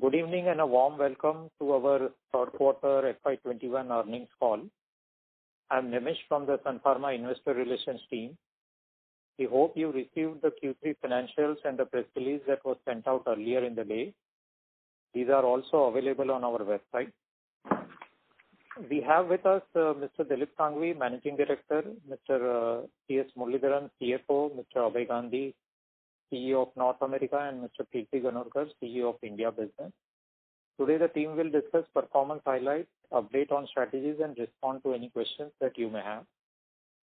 Good evening, a warm welcome to our third quarter FY 2021 earnings call. I'm Nimish from the Sun Pharma Investor Relations team. We hope you received the Q3 financials and the press release that was sent out earlier in the day. These are also available on our website. We have with us Mr. Dilip Shanghvi, Managing Director, Mr. C.S. Muralidharan, CFO, Mr. Abhay Gandhi, CEO of North America, and Mr. Kirti Ganorkar, CEO of India Business. Today, the team will discuss performance highlights, update on strategies, and respond to any questions that you may have.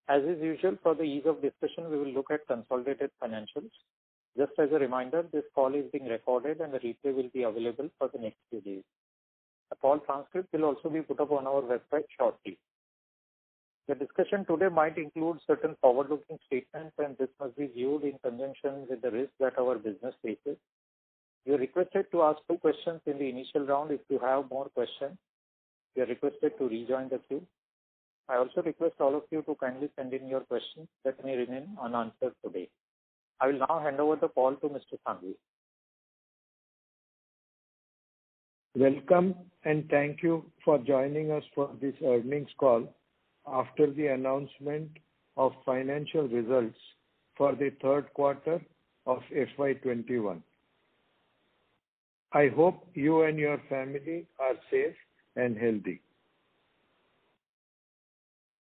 As is usual for the ease of discussion, we will look at consolidated financials. Just as a reminder, this call is being recorded and the replay will be available for the next few days. The call transcript will also be put up on our website shortly. The discussion today might include certain forward-looking statements, and this must be viewed in conjunction with the risk that our business faces. You are requested to ask two questions in the initial round. If you have more questions, you are requested to rejoin the queue. I also request all of you to kindly send in your questions that may remain unanswered today. I will now hand over the call to Mr. Shanghvi. Welcome and thank you for joining us for this earnings call after the announcement of financial results for the third quarter of FY 2021. I hope you and your family are safe and healthy.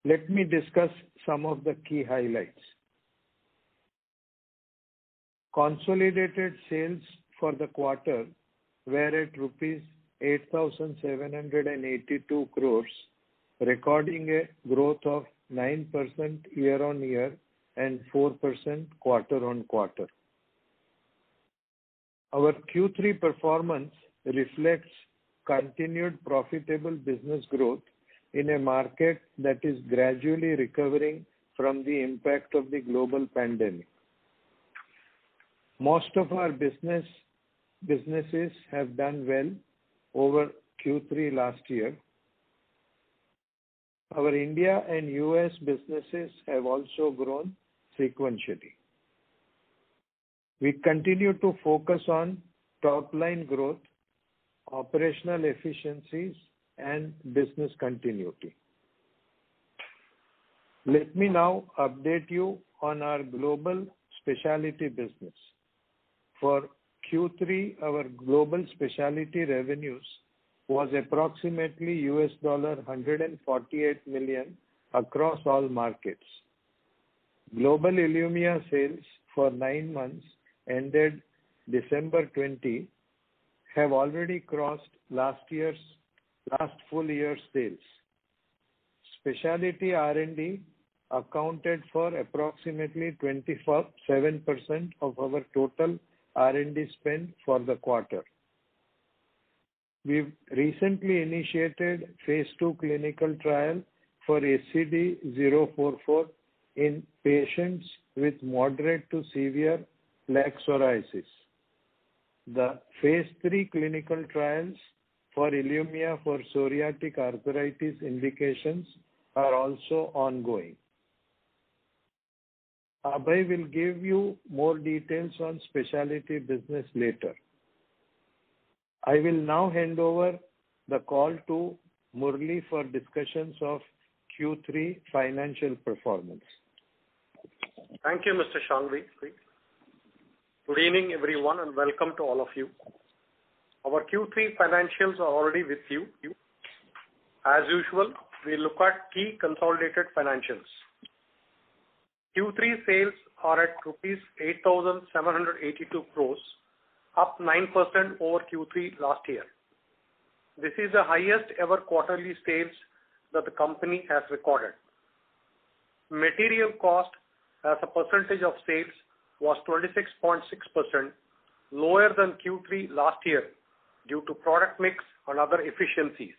Let me discuss some of the key highlights. Consolidated sales for the quarter were at rupees 8,782 crores, recording a growth of 9% year-on-year and 4% quarter-on-quarter. Our Q3 performance reflects continued profitable business growth in a market that is gradually recovering from the impact of the global pandemic. Most of our businesses have done well over Q3 last year. Our India and U.S. businesses have also grown sequentially. We continue to focus on top-line growth, operational efficiencies, and business continuity. Let me now update you on our global specialty business. For Q3, our global specialty revenues was approximately $148 million across all markets. Global ILUMYA sales for nine months ended December 2020 have already crossed last full year's sales. Specialty R&D accounted for approximately 27% of our total R&D spend for the quarter. We've recently initiated phase II clinical trial for SCD-044 in patients with moderate to severe plaque psoriasis. The phase III clinical trials for ILUMYA for psoriatic arthritis indications are also ongoing. Abhay will give you more details on specialty business later. I will now hand over the call to Murali for discussions of Q3 financial performance. Thank you, Mr. Shanghvi. Good evening, everyone, and welcome to all of you. Our Q3 financials are already with you. As usual, we look at key consolidated financials. Q3 sales are at rupees 8,782 crores, up 9% over Q3 last year. This is the highest ever quarterly sales that the company has recorded. Material cost as a percentage of sales was 26.6%, lower than Q3 last year due to product mix and other efficiencies.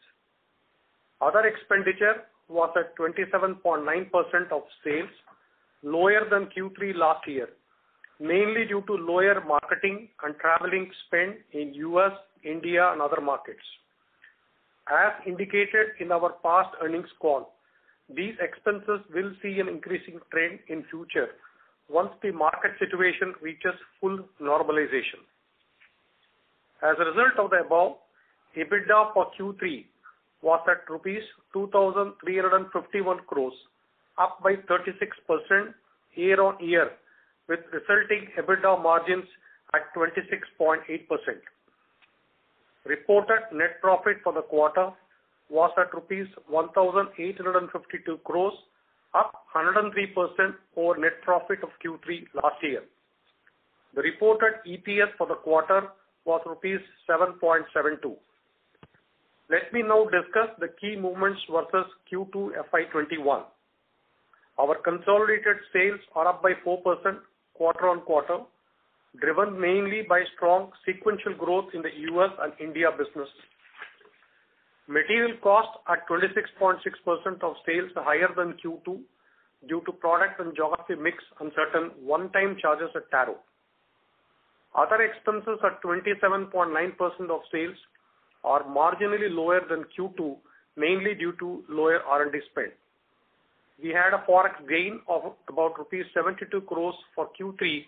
Other expenditure was at 27.9% of sales, lower than Q3 last year, mainly due to lower marketing and traveling spend in U.S., India, and other markets. As indicated in our past earnings call, these expenses will see an increasing trend in future once the market situation reaches full normalization. As a result of the above, EBITDA for Q3 was at rupees 2,351 crores, up by 36% year-on-year with resulting EBITDA margins at 26.8%. Reported net profit for the quarter was at rupees 1,852 crores, up 103% over net profit of Q3 last year. The reported EPS for the quarter was rupees 7.72 crores. Let me now discuss the key movements versus Q2 FY 2021. Our consolidated sales are up by 4% quarter-on-quarter, driven mainly by strong sequential growth in the U.S. and India business. Material costs at 26.6% of sales are higher than Q2 due to product and geography mix and certain one-time charges at Taro. Other expenses at 27.9% of sales are marginally lower than Q2, mainly due to lower R&D spend. We had a ForEx gain of about rupees 72 crores for Q3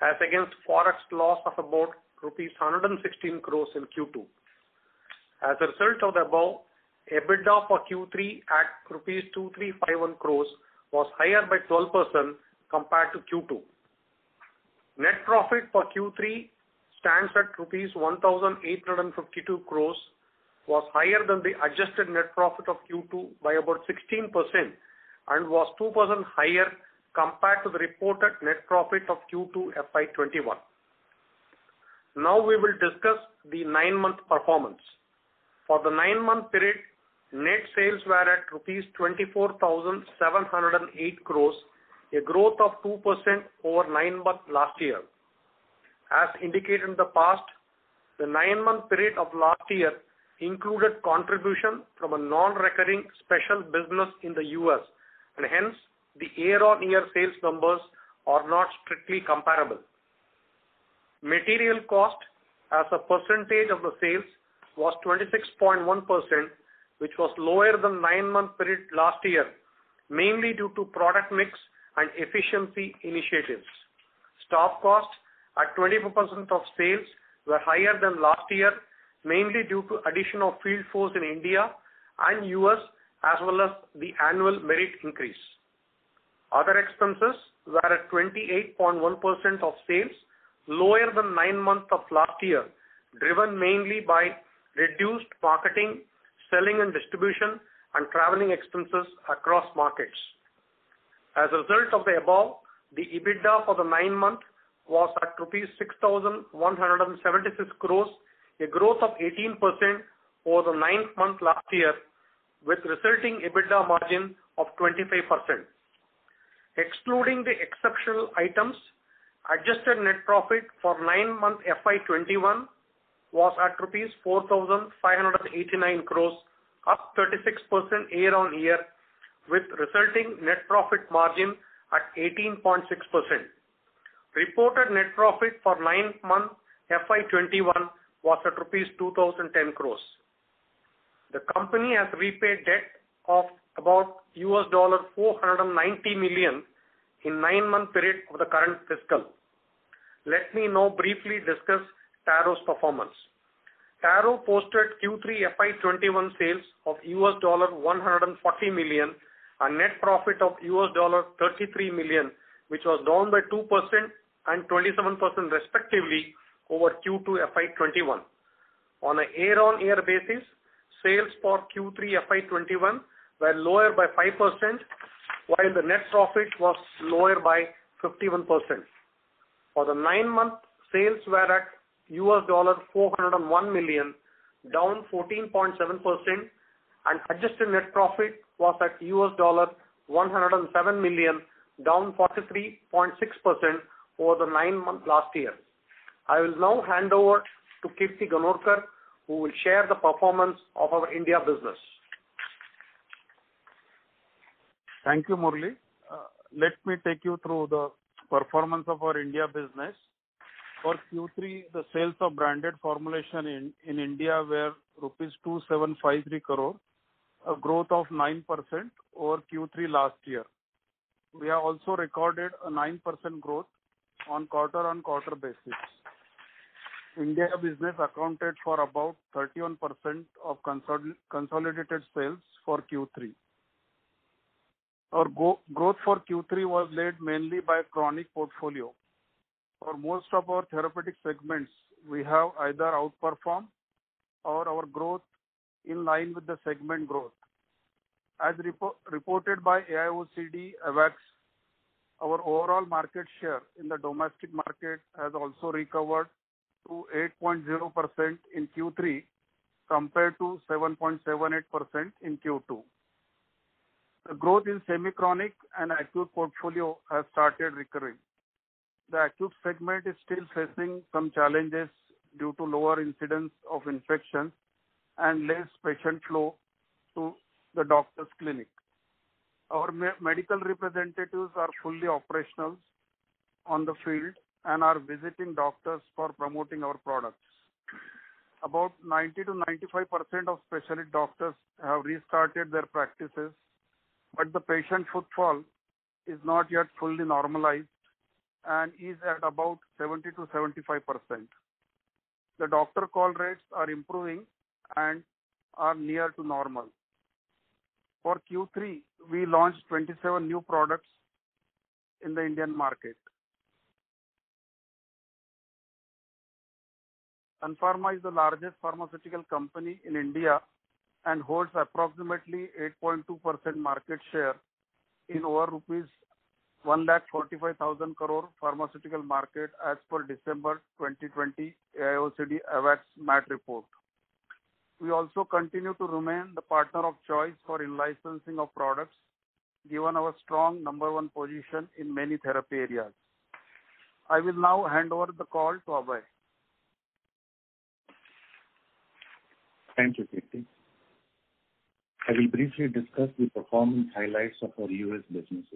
as against ForEx loss of about rupees 116 crores in Q2. As a result of the above, EBITDA for Q3 at rupees 2,351 crores was higher by 12% compared to Q2. Net profit for Q3 stands at rupees 1,852 crores, was higher than the adjusted net profit of Q2 by about 16%, and was 2% higher compared to the reported net profit of Q2 FY 2021. Now we will discuss the nine-month performance. For the nine-month period, net sales were at rupees 24,708 crores, a growth of 2% over nine-month last year. As indicated in the past, the nine-month period of last year included contribution from a non-recurring special business in the U.S., and hence, the year-on-year sales numbers are not strictly comparable. Material cost as a percentage of the sales was 26.1%, which was lower than nine-month period last year, mainly due to product mix and efficiency initiatives. Staff costs at 24% of sales were higher than last year, mainly due to addition of field force in India and U.S. as well as the annual merit increase. Other expenses were at 28.1% of sales, lower than nine months of last year, driven mainly by reduced marketing, selling and distribution and traveling expenses across markets. As a result of the above, the EBITDA for the nine month was at rupees 6,176 crores, a growth of 18% over the nine month last year with resulting EBITDA margin of 25%. Excluding the exceptional items, adjusted net profit for nine-month FY 2021 was at rupees 4,589 crores, up 36% year-on-year with resulting net profit margin at 18.6%. Reported net profit for nine month FY 2021 was at rupees 2,010 crores. The company has repaid debt of about $490 million in nine-month period of the current fiscal. Let me now briefly discuss Taro's performance. Taro posted Q3 FY 2021 sales of $140 million and net profit of $33 million, which was down by 2% and 27% respectively over Q2 FY 2021. On a year-on-year basis, sales for Q3 FY 2021 were lower by 5%, while the net profit was lower by 51%. For the nine month, sales were at $401 million, down 14.7%, and adjusted net profit was at $107 million, down 43.6% over the nine month last year. I will now hand over to Kirti Ganorkar, who will share the performance of our India business. Thank you, Murali. Let me take you through the performance of our India business. For Q3, the sales of branded formulation in India were rupees 2,753 crores, a growth of 9% over Q3 last year. We have also recorded a 9% growth on quarter-on-quarter basis. India business accounted for about 31% of consolidated sales for Q3. Our growth for Q3 was led mainly by chronic portfolio. For most of our therapeutic segments, we have either outperformed or our growth in line with the segment growth. As reported by AIOCD AWACS, our overall market share in the domestic market has also recovered to 8.0% in Q3 compared to 7.78% in Q2. The growth in semi-chronic and acute portfolio has started recurring. The acute segment is still facing some challenges due to lower incidence of infection and less patient flow to the doctor's clinic. Our medical representatives are fully operational on the field and are visiting doctors for promoting our products. About 90%-95% of specialty doctors have restarted their practices, but the patient footfall is not yet fully normalized and is at about 70%-75%. The doctor call rates are improving and are near to normal. For Q3, we launched 27 new products in the Indian market. Sun Pharma is the largest pharmaceutical company in India and holds approximately 8.2% market share in over rupees 145,000 crore pharmaceutical market as per December 2020 AIOCD AWACS MAT report. We also continue to remain the partner of choice for in-licensing of products given our strong number one position in many therapy areas. I will now hand over the call to Abhay. Thank you, Kirti. I will briefly discuss the performance highlights of our U.S. business.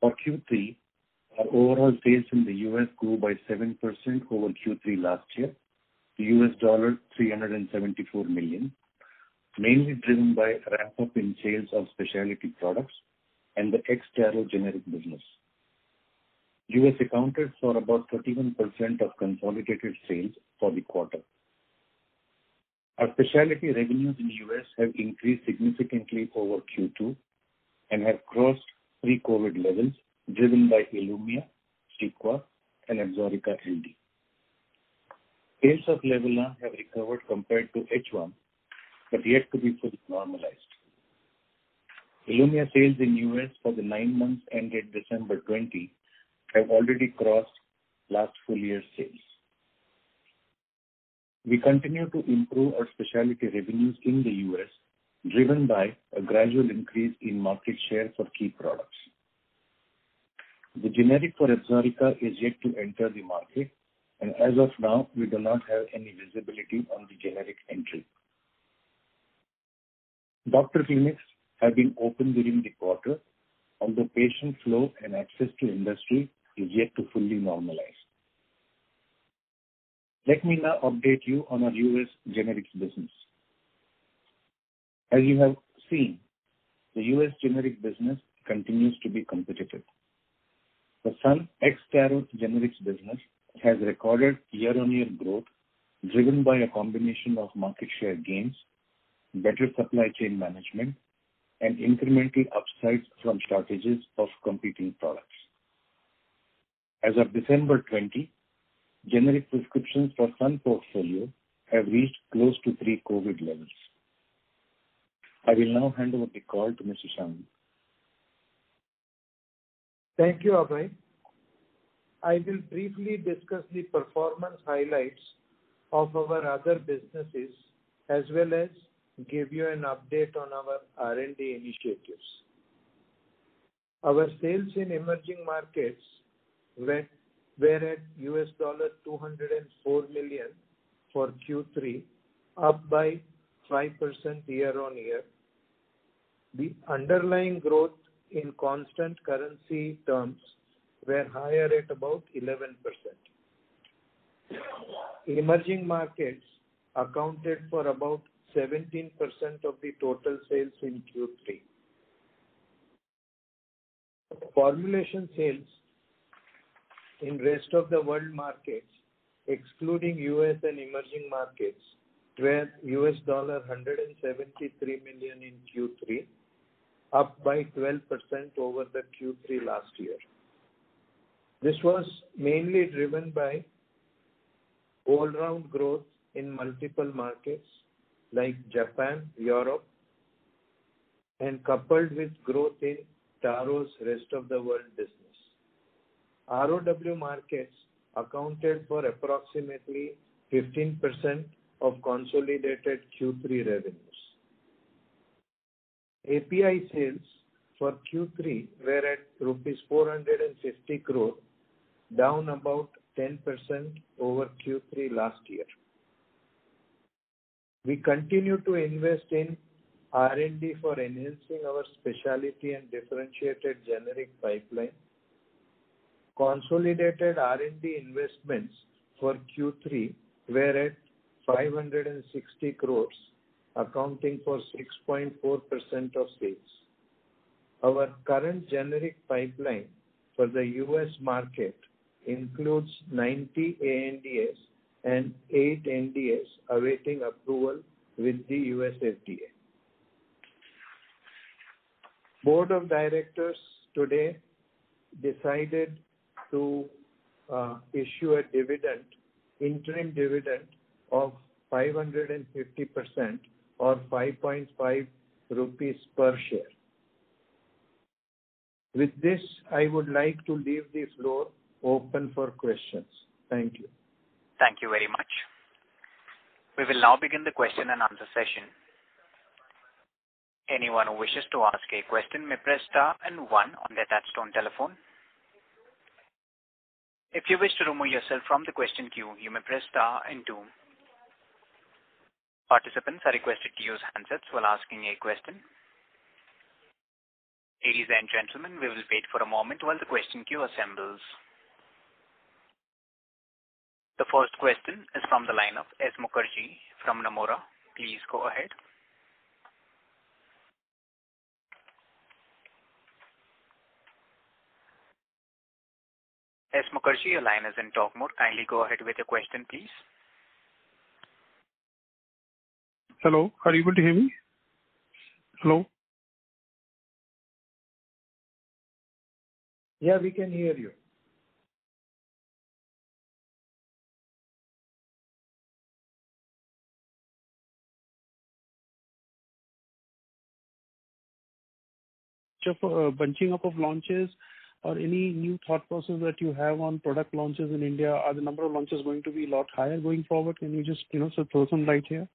For Q3, our overall sales in the U.S. grew by 7% over Q3 last year, the U.S. dollar $374 million, mainly driven by a ramp-up in sales of specialty products and the ex-Taro generic business. U.S. accounted for about 31% of consolidated sales for the quarter. Our specialty revenues in the U.S. have increased significantly over Q2 and have crossed pre-COVID levels, driven by ILUMYA, CEQUA, and ABSORICA LD. Sales of LEVULAN KERASTICK have recovered compared to H1 but are yet to be fully normalized. ILUMYA sales in the U.S. for the nine months ended December 2020 have already crossed last full-year sales. We continue to improve our specialty revenues in the U.S., driven by a gradual increase in market share for key products. The generic for ABSORICA is yet to enter the market. As of now, we do not have any visibility on the generic entry. Doctor clinics have been open during the quarter, although patient flow and access to industry is yet to fully normalize. Let me now update you on our U.S. generics business. As you have seen, the U.S. generic business continues to be competitive. The Sun ex-Taro generics business has recorded year-on-year growth driven by a combination of market share gains, better supply chain management, and incremental upsides from shortages of competing products. As of December 2020, generic prescriptions for Sun portfolio have reached close to pre-COVID levels. I will now hand over the call to Mr. Shanghvi. Thank you, Abhay. I will briefly discuss the performance highlights of our other businesses as well as give you an update on our R&D initiatives. Our sales in emerging markets were at $204 million for Q3, up by 5% year-on-year. The underlying growth in constant currency terms was higher at about 11%. Emerging markets accounted for about 17% of the total sales in Q3. Formulation sales in rest-of-the-world markets, excluding U.S. and emerging markets, were $173 million in Q3, up by 12% over the Q3 last year. This was mainly driven by all-round growth in multiple markets like Japan and Europe and coupled with growth in Taro's rest-of-the-world business. ROW markets accounted for approximately 15% of consolidated Q3 revenues. API sales for Q3 were at rupees 460 crores, down about 10% over Q3 last year. We continue to invest in R&D for enhancing our specialty and differentiated generic pipeline. Consolidated R&D investments for Q3 were at 560 crores, accounting for 6.4% of sales. Our current generic pipeline for the U.S. market includes 90 ANDAs and eight NDAs awaiting approval with the U.S. FDA. Board of Directors today decided to issue an interim dividend of 550% or 5.50 crores rupees per share. With this, I would like to leave the floor open for questions. Thank you. Thank you very much. We will now begin the question and answer session. Anyone who wishes to ask a question may press star and one on the touchtone telephone. If you wish to remove on the question queue may press star and two. Participants are requested to use handset while asking a question. Ladies and gentlemen we will wait for a moment while the question queue assemble. The first question is from the line of Saion Mukherjee from Nomura. Please go ahead. Saion Mukherjee, your line is in talk mode. Kindly go ahead with your question, please. Hello, are you able to hear me? Hello. Yeah, we can hear you. Bunching up of launches or any new thought process that you have on product launches in India, are the number of launches going to be a lot higher going forward? Can you just throw some light here?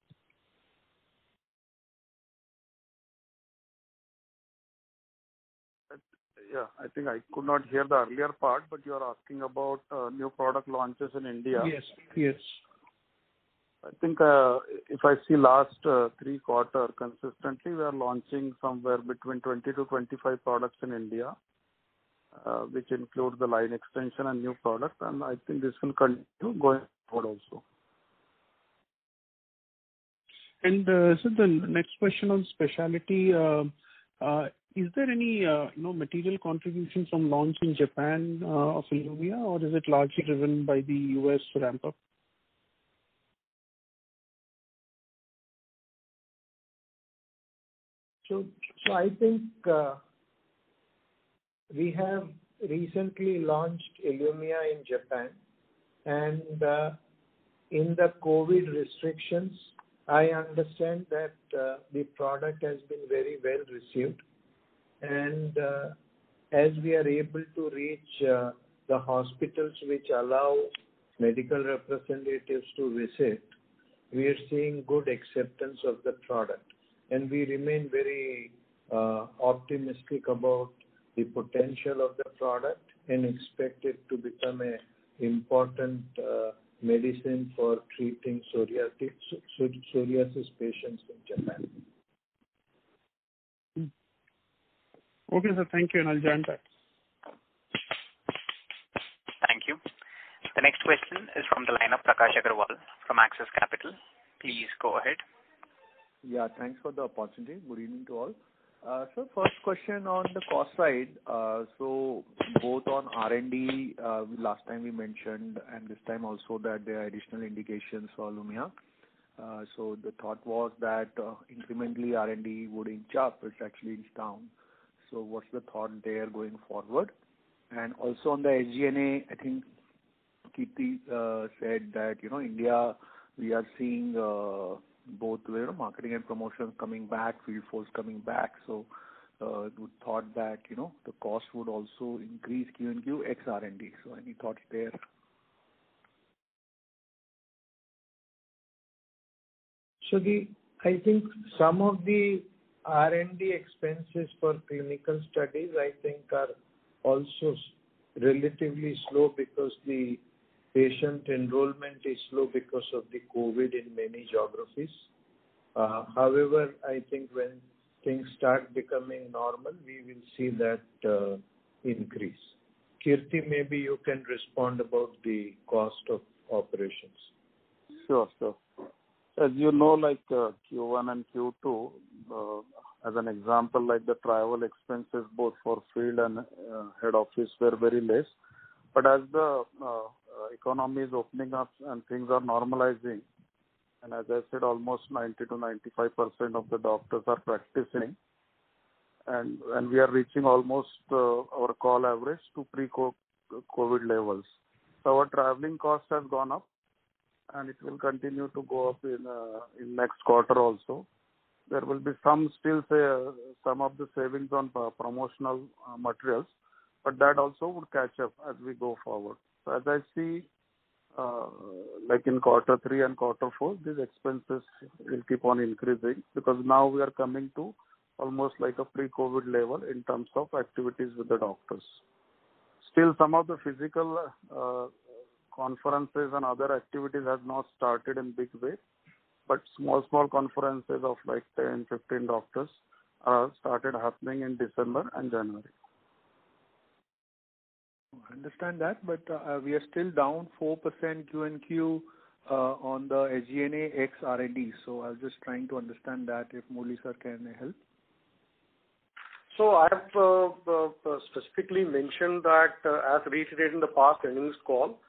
Yeah, I think I could not hear the earlier part, but you are asking about new product launches in India. Yes. I think if I see last three quarters consistently, we are launching somewhere between 20 to 25 products in India, which include the line extension and new products. I think this will continue going forward also. Sir, the next question on specialty. Is there any material contributions from launch in Japan of ILUMYA, or is it largely driven by the U.S. ramp-up? I think we have recently launched ILUMYA in Japan, and in the COVID restrictions, I understand that the product has been very well received. As we are able to reach the hospitals which allow medical representatives to visit, we are seeing good acceptance of the product. We remain very optimistic about the potential of the product and expect it to become an important medicine for treating psoriasis patients in Japan. Okay, sir. Thank you. I'll join back. Thank you. The next question is from the line of Prakash Agarwal from Axis Capital. Please go ahead. Yeah, thanks for the opportunity. Good evening to all. Sir, first question on the cost side. Both on R&D, last time we mentioned, and this time also, that there are additional indications for ILUMYA. The thought was that incrementally R&D would inch up. It actually inch down. What's the thought there going forward? And also on the SG&A, I think Kirti said that India, we are seeing both marketing and promotions coming back, field force coming back. We thought that the cost would also increase QoQ ex R&D. Any thoughts there? I think some of the R&D expenses for clinical studies, I think are also relatively slow because the patient enrollment is slow because of the COVID in many geographies. However, I think when things start becoming normal, we will see that increase. Kirti, maybe you can respond about the cost of operations. Sure, sir. As you know, Q1 and Q2, as an example, the travel expenses both for field and head office were very less. As the economy is opening up and things are normalizing, and as I said, almost 90%-95% of the doctors are practicing, and we are reaching almost our call average to pre-COVID levels. Our traveling cost has gone up, and it will continue to go up in next quarter also. There will be some of the savings on promotional materials, that also would catch up as we go forward. As I see, like in quarter three and quarter four, these expenses will keep on increasing because now we are coming to almost like a pre-COVID level in terms of activities with the doctors. Still, some of the physical conferences and other activities have not started in big way, but small conferences of 10, 15 doctors have started happening in December and January. I understand that, we are still down 4% QoQ on the SG&A ex R&D. I was just trying to understand that if Murali sir can help. I have specifically mentioned that as reiterated in the past earnings call,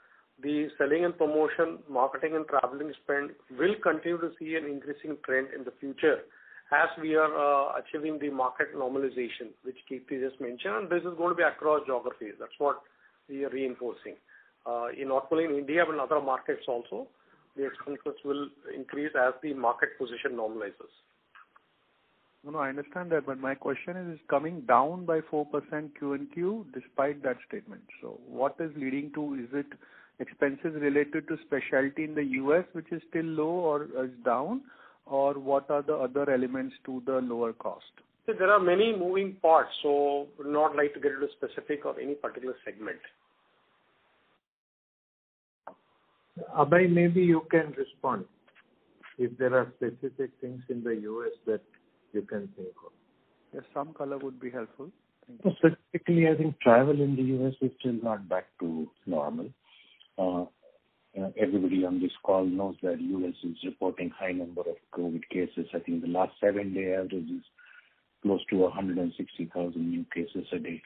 the selling and promotion, marketing and traveling spend will continue to see an increasing trend in the future as we are achieving the market normalization, which Kirti just mentioned, and this is going to be across geographies. That's what we are reinforcing. Not only in India, but other markets also, the expenses will increase as the market position normalizes. I understand that, my question is, it's coming down by 4% QoQ despite that statement. What is leading to? Is it expenses related to specialty in the U.S., which is still low or is down, or what are the other elements to the lower cost? Sir, there are many moving parts, so would not like to get into specific of any particular segment. Abhay, maybe you can respond if there are specific things in the U.S. that you can think of. Yes, some color would be helpful. Thank you. Specifically, I think travel in the U.S. is still not back to normal. Everybody on this call knows that U.S. is reporting high number of COVID cases. I think the last seven-day average is close to 160,000 new cases a day.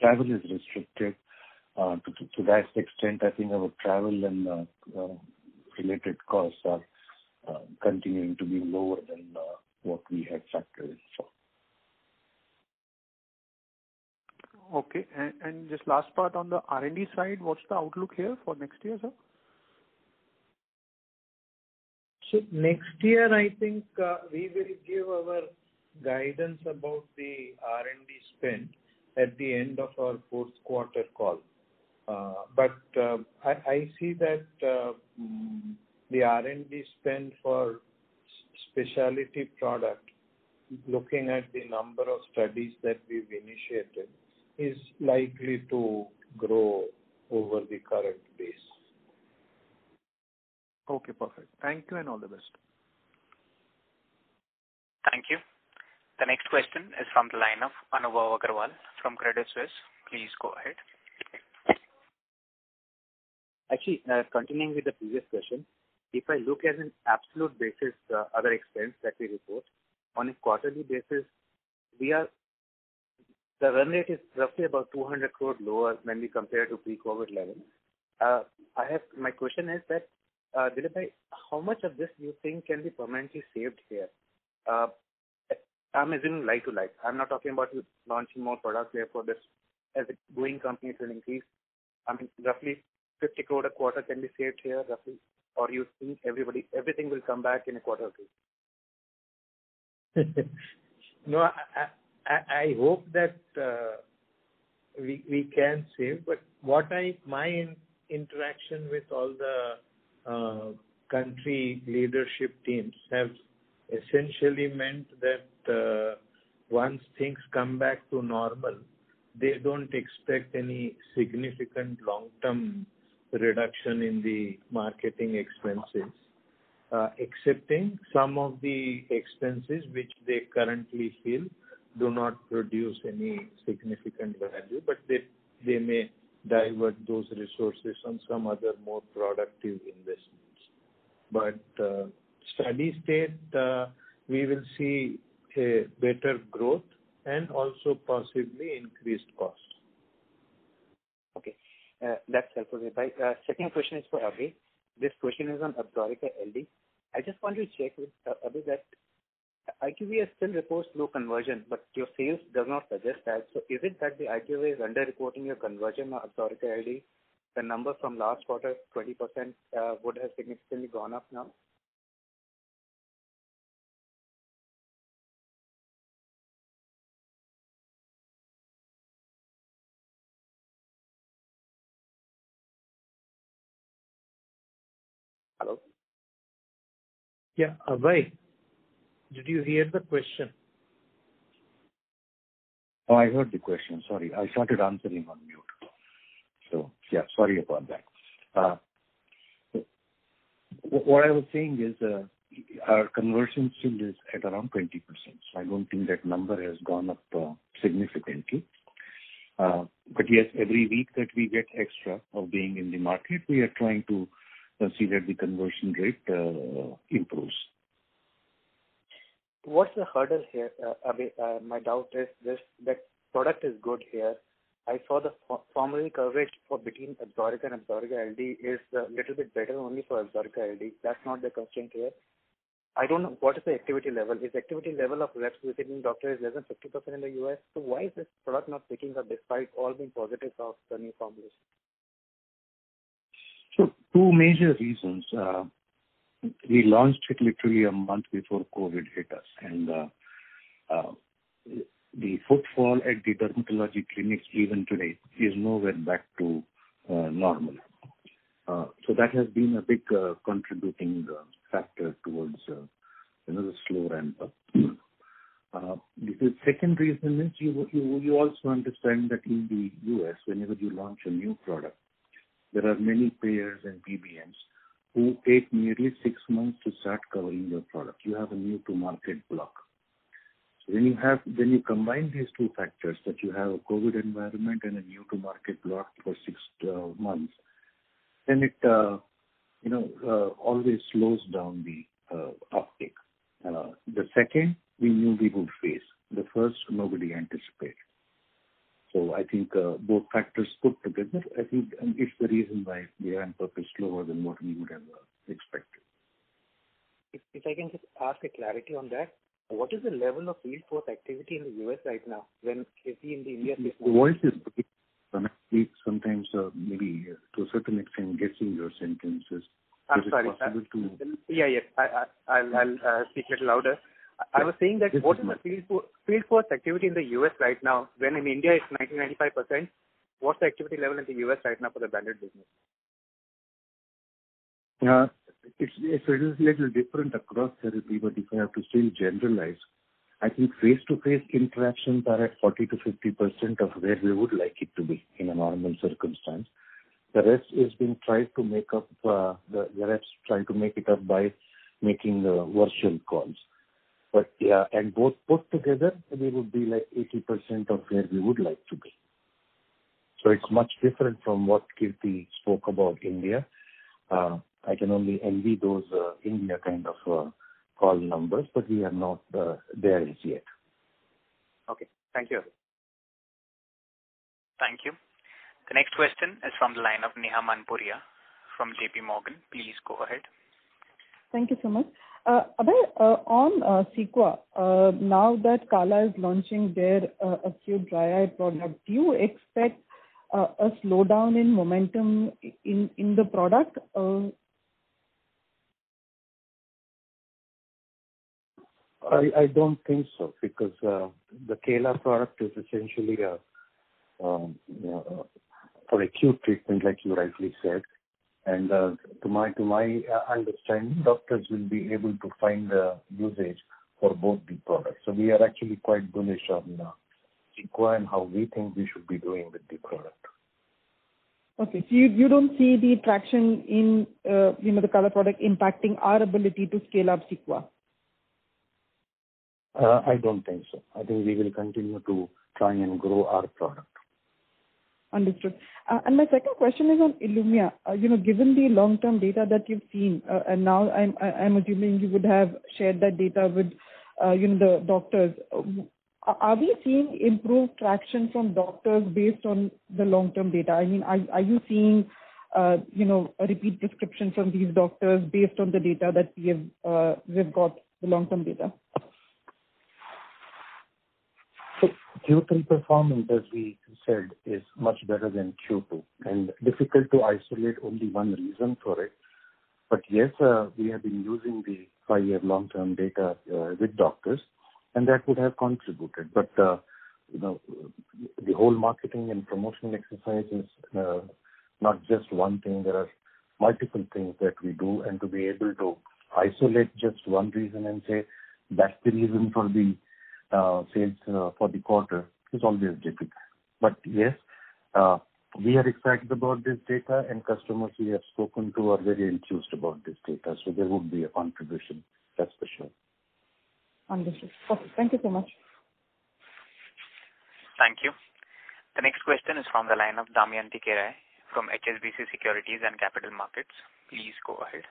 Travel is restricted. To that extent, I think our travel and related costs are continuing to be lower than what we had factored in. Okay. Just last part on the R&D side, what's the outlook here for next year, sir? Next year, I think we will give our guidance about the R&D spend at the end of our fourth quarter call. I see that the R&D spend for specialty product, looking at the number of studies that we've initiated, is likely to grow over the current base. Okay, perfect. Thank you and all the best. Thank you. The next question is from the line of Anubhav Aggarwal from Credit Suisse. Please go ahead. Actually, continuing with the previous question, if I look at an absolute basis, the other expense that we report on a quarterly basis, the run rate is roughly about 200 crore lower when we compare to pre-COVID level. My question is that, Dilip Shanghvi, how much of this do you think can be permanently saved here? I'm assuming like to like. I'm not talking about launching more products therefore this as a growing company will increase. Roughly 50 crore a quarter can be saved here, roughly? You think everything will come back in a quarter or two? I hope that we can save. My interaction with all the country leadership teams have essentially meant that once things come back to normal, they don't expect any significant long-term reduction in the marketing expenses. Excepting some of the expenses which they currently feel do not produce any significant value, but they may divert those resources on some other, more productive investments. Steady state, we will see a better growth and also possibly increased costs. Okay. That's helpful, Dilip Shanghvi. Second question is for Abhay. This question is on ABSORICA LD. I just want to check with Abhay that IQVIA still reports low conversion, but your sales does not suggest that. Is it that the IQVIA is under-reporting your conversion of ABSORICA LD? The number from last quarter, 20%, would have significantly gone up now? Hello? Yeah. Abhay, did you hear the question? Oh, I heard the question. Sorry, I started answering on mute. Yeah, sorry about that. What I was saying is our conversion still is at around 20%. I don't think that number has gone up significantly. Yes, every week that we get extra of being in the market, we are trying to consider the conversion rate improves. What's the hurdle here, Abhay? My doubt is this, that product is good here. I saw the formulary coverage for between Absorica and ABSORICA LD is a little bit better only for ABSORICA LD. That's not the question here. I don't know what is the activity level. Is activity level of reps visiting doctor is less than 50% in the U.S.? Why is this product not picking up despite all the positives of the new formulation. Two major reasons. We launched it literally a month before COVID hit us and the footfall at the dermatology clinics even today is nowhere back to normal. That has been a big contributing factor towards another slow ramp-up. The second reason is you also understand that in the U.S., whenever you launch a new product, there are many payers and PBMs who take nearly six months to start covering your product. You have a new-to-market block. When you combine these two factors, that you have a COVID environment and a new-to-market block for six months, it always slows down the uptake. The second, we knew we would face. The first, nobody anticipated. I think both factors put together, I think is the reason why the ramp-up is slower than what we would have expected. If I can just ask a clarity on that, what is the level of field force activity in the U.S. right now when Kirti in the India. Your voice is breaking. Sometimes maybe to a certain extent gets in your sentences. I'm sorry. Is it possible to. Yeah. I'll speak little louder. I was saying that what is the field force activity in the U.S. right now when in India it's 90%, 95%? What's the activity level in the U.S. right now for the brand business? It is little different across therapy, but if I have to still generalize, I think face-to-face interactions are at 40%-50% of where we would like it to be in a normal circumstance. The rest is being tried to make up, the reps trying to make it up by making virtual calls. Yeah, and both put together, we would be like 80% of where we would like to be. It's much different from what Kirti spoke about India. I can only envy those India kind of call numbers, but we are not there as yet. Okay. Thank you. Thank you. The next question is from the line of Neha Manpuria from JPMorgan. Please go ahead. Thank you so much. Abhay, on CEQUA, now that Kala is launching their acute dry eye product, do you expect a slowdown in momentum in the product? I don't think so, because the Kala product is essentially for acute treatment, like you rightly said. To my understanding, doctors will be able to find usage for both the products. We are actually quite bullish on CEQUA and how we think we should be doing with the product. Okay. You don't see the traction in the Kala product impacting our ability to scale up CEQUA? I don't think so. I think we will continue to try and grow our product. Understood. My second question is on ILUMYA. Given the long-term data that you've seen, and now I'm assuming you would have shared that data with the doctors. Are we seeing improved traction from doctors based on the long-term data? I mean, are you seeing a repeat prescription from these doctors based on the data that we've got, the long-term data? Q3 performance, as we said, is much better than Q2 and difficult to isolate only one reason for it. Yes, we have been using the five-year long-term data with doctors, and that would have contributed. The whole marketing and promotion exercise is not just one thing. There are multiple things that we do, and to be able to isolate just one reason and say, "That's the reason for the sales for the quarter," is always difficult. Yes, we are excited about this data, and customers we have spoken to are very enthused about this data. There would be a contribution, that's for sure. Understood. Okay. Thank you so much. Thank you. The next question is from the line of Damayanti Kerai from HSBC Securities and Capital Markets. Please go ahead.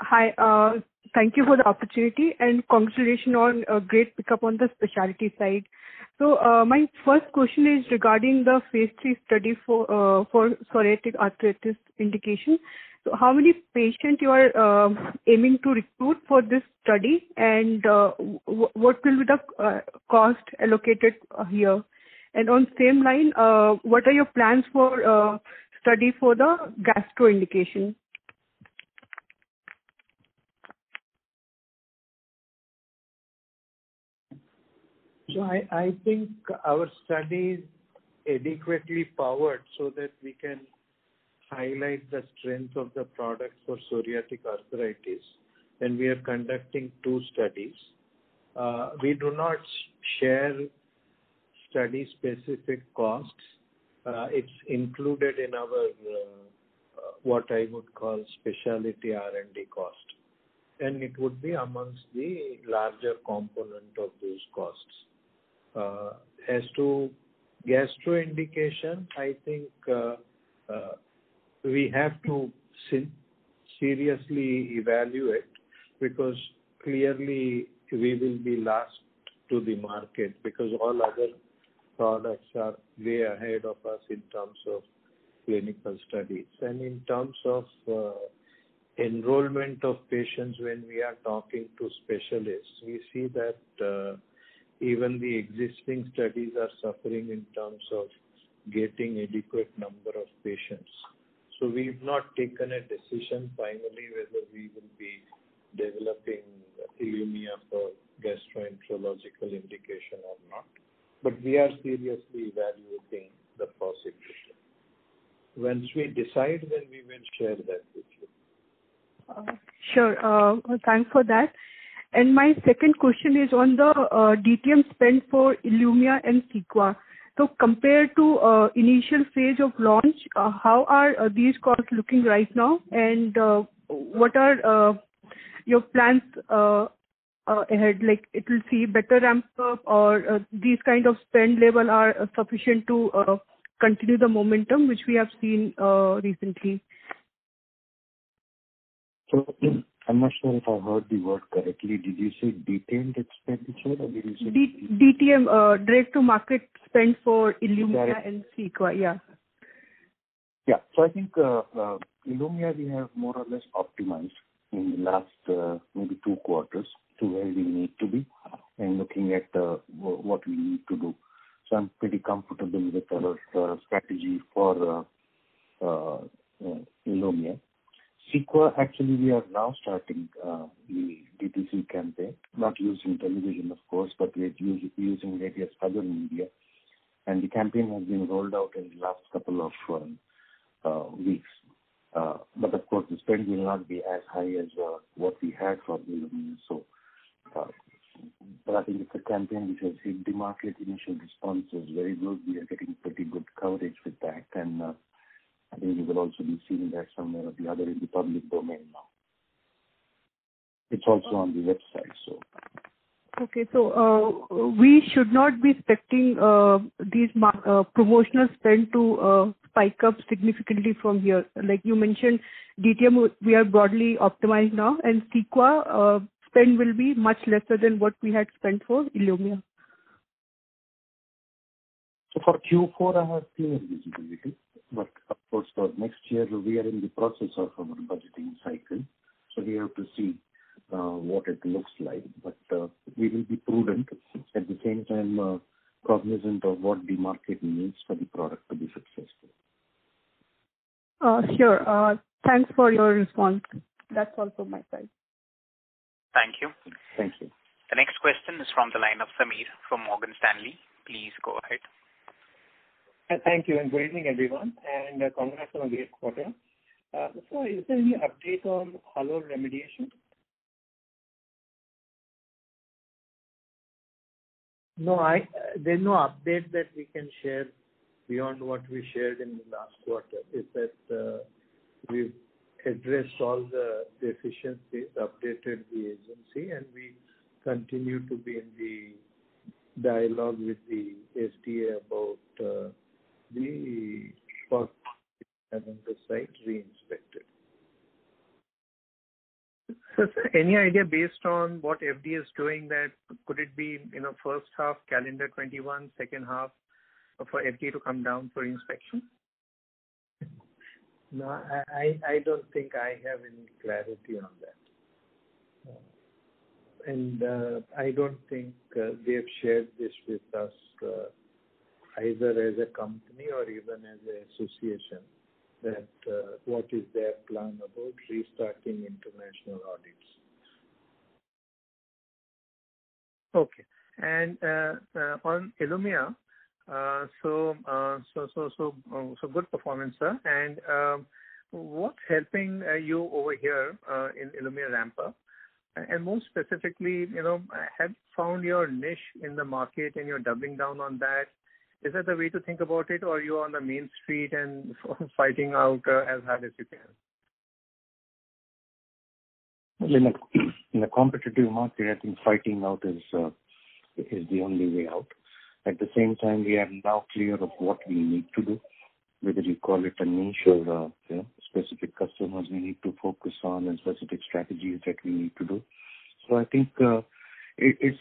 Hi. Thank you for the opportunity, congratulations on a great pick-up on the specialty side. My first question is regarding the phase III study for psoriatic arthritis indication. How many patients you are aiming to recruit for this study? What will be the cost allocated here? On same line, what are your plans for study for the gastro indication? I think our study is adequately powered so that we can highlight the strength of the product for psoriatic arthritis. We are conducting two studies. We do not share study specific costs. It's included in our, what I would call, specialty R&D cost, and it would be amongst the larger component of those costs. As to gastro indication, I think we have to seriously evaluate because clearly we will be last to the market because all other products are way ahead of us in terms of clinical studies. In terms of enrollment of patients, when we are talking to specialists, we see that even the existing studies are suffering in terms of getting adequate number of patients. We've not taken a decision finally whether we will be developing ILUMYA for gastroenterological indication or not, but we are seriously evaluating the possibility. Once we decide, then we will share that with you. Sure. Thanks for that. My second question is on the DTC spend for ILUMYA and CEQUA. Compared to initial phase of launch, how are these costs looking right now? What are your plans ahead? Like, it will see better ramp-up or these kind of spend level are sufficient to continue the momentum which we have seen recently? I'm not sure if I heard the word correctly. Did you say detailed expenditure or did you say? DTC, direct-to-market spend for ILUMYA. Got it. CEQUA, yeah. Yeah. I think ILUMYA we have more or less optimized in the last maybe two quarters to where we need to be and looking at what we need to do. I'm pretty comfortable with our strategy for ILUMYA. CEQUA, actually, we are now starting the DTC campaign, not using television of course, but we are using various other media and the campaign has been rolled out in the last couple of weeks. Of course, the spend will not be as high as what we had for ILUMYA. I think it's a campaign which has hit the market. Initial response is very good. We are getting pretty good coverage with that and I think you will also be seeing that somewhere or the other in the public domain now. It's also on the website. Okay. We should not be expecting these promotional spend to spike up significantly from here. Like you mentioned, DTC, we are broadly optimized now, and CEQUA spend will be much lesser than what we had spent for ILUMYA. For Q4, I have clear visibility, but of course for next year, we are in the process of our budgeting cycle, so we have to see what it looks like. We will be prudent, at the same time, cognizant of what the market needs for the product to be successful. Sure. Thanks for your response. That's all from my side. Thank you. Thank you. The next question is from the line of Sameer from Morgan Stanley. Please go ahead. Thank you. Good evening, everyone. Congrats on a great quarter. Sir, is there any update on Halol remediation? No, there's no update that we can share beyond what we shared in the last quarter, that we've addressed all the deficiencies, updated the agency, and we continue to be in the dialogue with the FDA about having the site re-inspected. Sir, any idea based on what FDA is doing there, could it be first half calendar 2021, second half for FDA to come down for inspection? No, I don't think I have any clarity on that. I don't think they've shared this with us, either as a company or even as an association, what is their plan about restarting international audits. Okay. On ILUMYA, good performance, sir. What's helping you over here in ILUMYA ramp-up? More specifically, have you found your niche in the market and you're doubling down on that. Is that the way to think about it, or are you on the main street and fighting out as hard as you can? In a competitive market, I think fighting out is the only way out. At the same time, we are now clear of what we need to do, whether you call it a niche or specific customers we need to focus on and specific strategies that we need to do. I think it's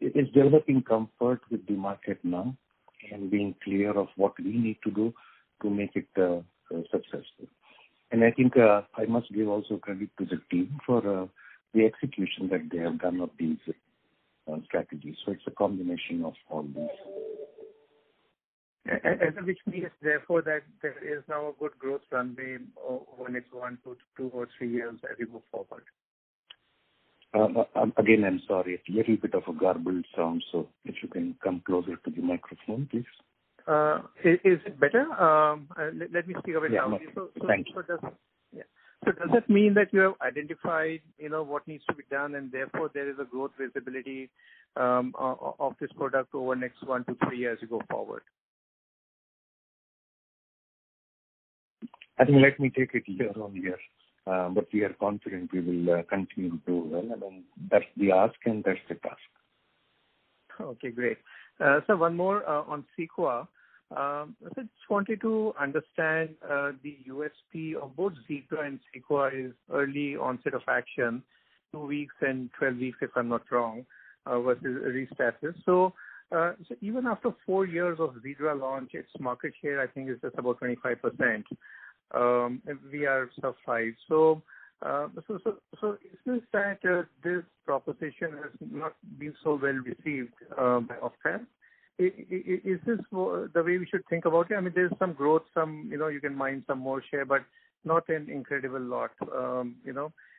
developing comfort with the market now and being clear of what we need to do to make it successful. I think, I must give also credit to the team for the execution that they have done of these strategies. It's a combination of all these. Which means therefore that there is now a good growth runway over next one, two, or three years as we move forward. I'm sorry, a little bit of a garbled sound, so if you can come closer to the microphone, please. Is it better? Let me speak a bit louder. Yeah. Thank you. Does that mean that you have identified what needs to be done and therefore there is a growth visibility of this product over the next one to three years as you go forward? I think let me take it here on here. We are confident we will continue to do well, and then that's the ask and that's the task. Okay, great. Sir, one more on CEQUA. I just wanted to understand the USP of both Xiidra and CEQUA is early onset of action, two weeks and 12 weeks, if I'm not wrong, versus RESTASIS. Even after four years of Xiidra launch, its market share I think is just about 25%, and we are satisfied. It seems that this proposition has not been so well received by ophthalmic. Is this the way we should think about it? I mean, there's some growth, you can mine some more share, but not an incredible lot.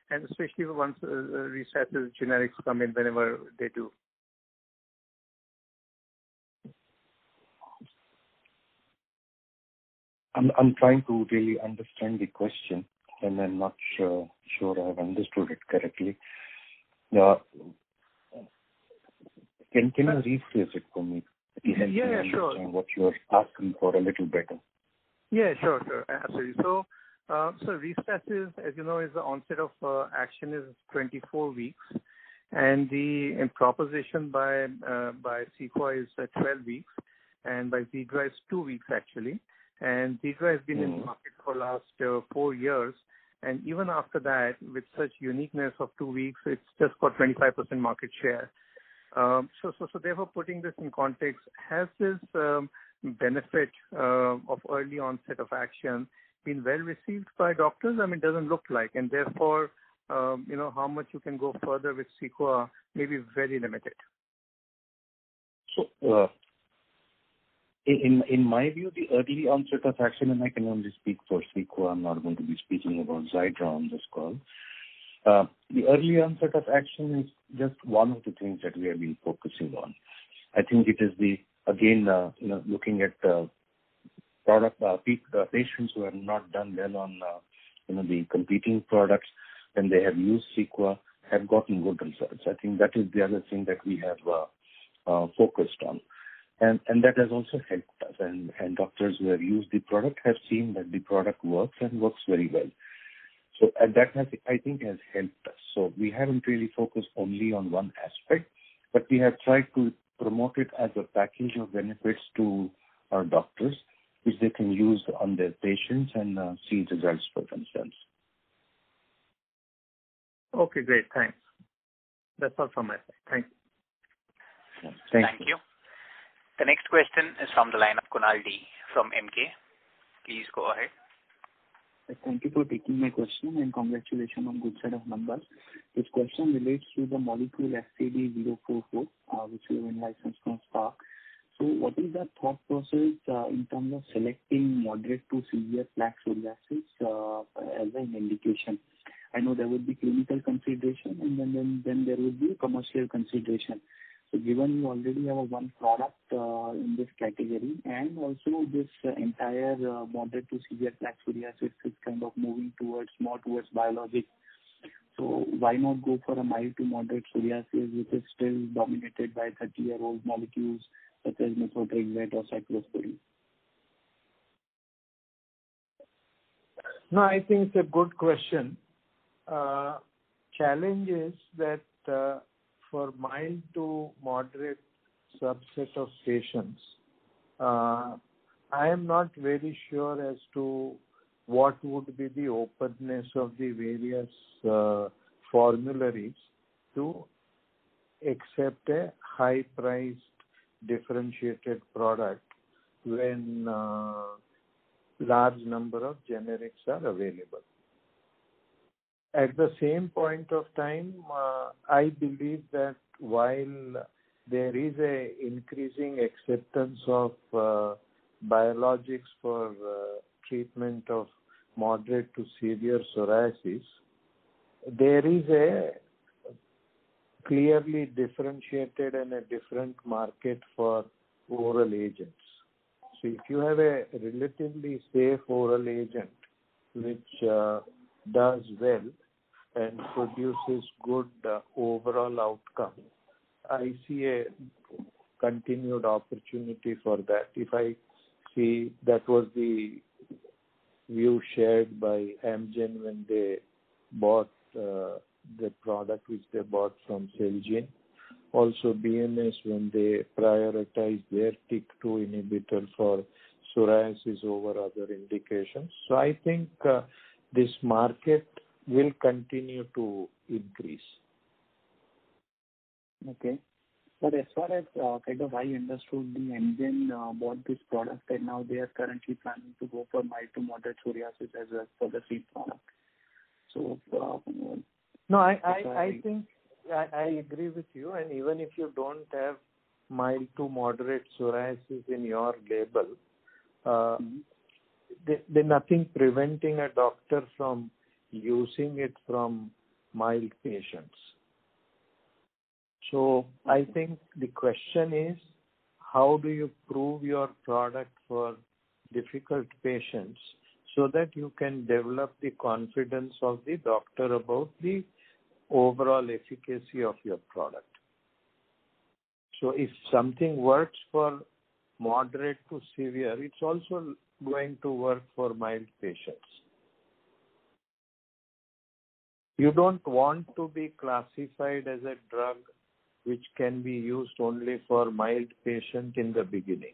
Especially once RESTASIS generics come in, whenever they do. I'm trying to really understand the question, and I'm not sure I have understood it correctly. Can you rephrase it for me? Yeah, sure. It helps me understand what you are asking for a little better. Yeah, sure. Absolutely. RESTASIS, as you know, its onset of action is 24 weeks, and the proposition by CEQUA is at 12 weeks, and by Xiidra is two weeks, actually. Xiidra has been in the market for the last four years. Even after that, with such uniqueness of two weeks, it's just got 25% market share. Therefore, putting this in context, has this benefit of early onset of action been well received by doctors? I mean, it doesn't look like, and therefore, how much you can go further with CEQUA may be very limited. In my view, the early onset of action, and I can only speak for CEQUA, I'm not going to be speaking about Xiidra on this call. The early onset of action is just one of the things that we have been focusing on. I think it is, again, looking at the product, the patients who have not done well on the competing products, when they have used CEQUA, have gotten good results. I think that is the other thing that we have focused on. That has also helped us, and doctors who have used the product have seen that the product works and works very well. That has, I think, helped us. We haven't really focused only on one aspect, but we have tried to promote it as a package of benefits to our doctors, which they can use on their patients and see the results for themselves. Okay, great. Thanks. That's all from my side. Thank you. Thank you. Thank you. The next question is from the line of Kunal Dhamesha from Macquarie. Please go ahead. Thank you for taking my question, and congratulations on good set of numbers. This question relates to the molecule SCD-044, which you have in license from SPARC. What is the thought process in terms of selecting moderate to severe plaque psoriasis as an indication? I know there will be clinical consideration and then there will be commercial consideration. Given you already have one product in this category, and also this entire moderate to severe plaque psoriasis is kind of moving more towards biologics. Why not go for a mild to moderate psoriasis, which is still dominated by 30-year-old molecules such as methotrexate or cyclosporine? No, I think it's a good question. Challenge is that for mild to moderate subset of patients, I am not very sure as to what would be the openness of the various formularies to accept a high-priced differentiated product when large number of generics are available. At the same point of time, I believe that while there is an increasing acceptance of biologics for treatment of moderate to severe psoriasis, there is a clearly differentiated and a different market for oral agents. If you have a relatively safe oral agent, which does well and produces good overall outcome, I see a continued opportunity for that. If I see, that was the view shared by Amgen when they bought the product, which they bought from Celgene. Also BMS when they prioritized their TYK2 inhibitor for psoriasis over other indications. I think this market will continue to increase. Okay. As far as kind of I understood, Amgen bought this product and now they are currently planning to go for mild to moderate psoriasis as a further seed product. No, I think I agree with you, and even if you don't have mild to moderate psoriasis in your label, there's nothing preventing a doctor from using it from mild patients. I think the question is how do you prove your product for difficult patients so that you can develop the confidence of the doctor about the overall efficacy of your product. If something works for moderate to severe, it's also going to work for mild patients. You don't want to be classified as a drug which can be used only for mild patients in the beginning.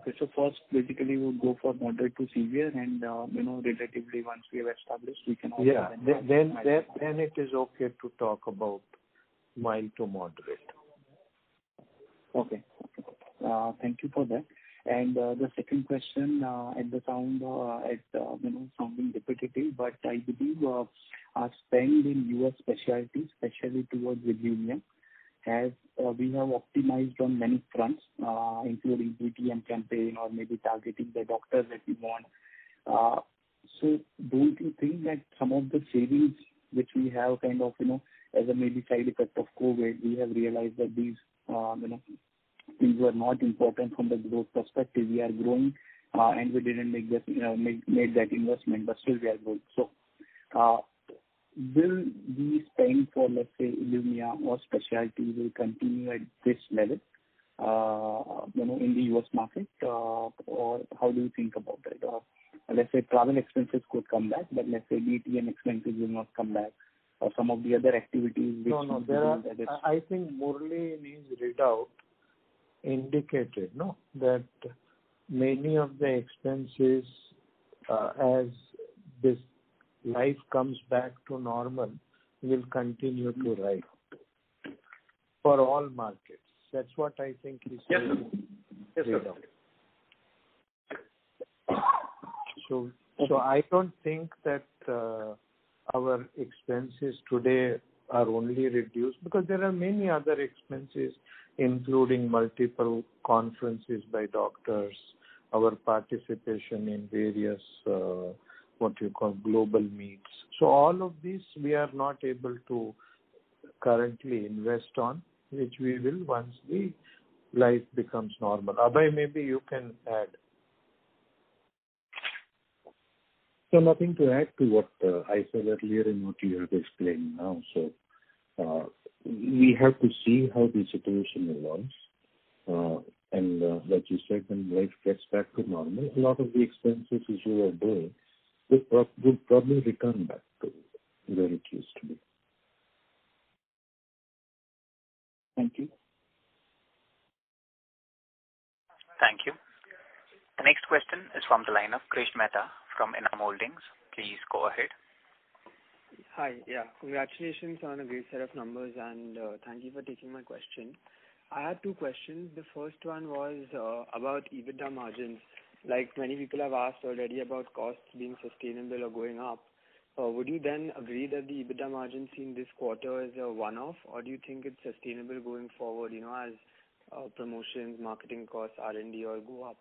Okay, first basically we'll go for moderate to severe and relatively once we have established. Yeah. It is okay to talk about mild to moderate. Okay. Thank you for that. The second question, it may sound repetitive, but I believe our spend in U.S. specialties, especially towards ILUMYA, as we have optimized on many fronts, including DTC campaign or maybe targeting the doctors that we want. Don't you think that some of the savings which we have kind of as a maybe side effect of COVID, we have realized that these things were not important from the growth perspective. We are growing, and we didn't make that investment, but still we are growing. Will the spend for, let's say, ILUMYA or specialty will continue at this level in the U.S. market? How do you think about that? Let's say travel expenses could come back, but let's say DTC expenses will not come back. No, I think Murali in his readout indicated, no? That many of the expenses, as this life comes back to normal, will continue to rise for all markets. That's what I think he said. Yes, sir. I don't think that our expenses today are only reduced because there are many other expenses, including multiple conferences by doctors, our participation in various what you call global meets. All of these we are not able to currently invest on, which we will once the life becomes normal. Abhay, maybe you can add. Nothing to add to what I said earlier and what you are explaining now. We have to see how the situation evolves, and like you said, when life gets back to normal, a lot of the expenses which you are bearing will probably return back to where it used to be. Thank you. Thank you. The next question is from the line of Krish Mehta from Enam Holdings. Please go ahead. Hi. Yeah. Congratulations on a great set of numbers. Thank you for taking my question. I have two questions. The first one was about EBITDA margins. Many people have asked already about costs being sustainable or going up. Would you then agree that the EBITDA margins in this quarter is a one-off or do you think it's sustainable going forward as promotions, marketing costs, R&D all go up?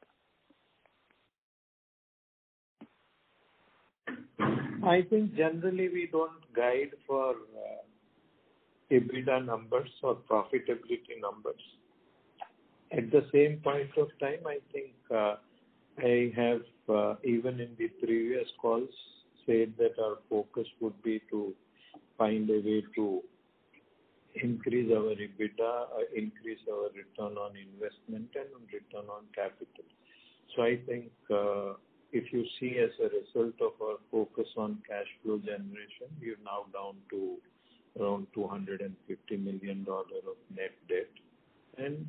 I think generally we don't guide for EBITDA numbers or profitability numbers. At the same point of time, I think I have even in the previous calls said that our focus would be to find a way to increase our EBITDA, increase our return on investment and on return on capital. I think if you see as a result of our focus on cash flow generation, we are now down to around $250 million of net debt. In